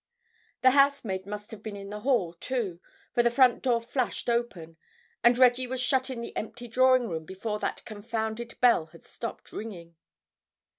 The housemaid must have been in the hall, too, for the front door flashed open, and Reggie was shut in the empty drawing room before that confounded bell had stopped ringing.